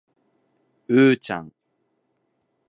うーちゃん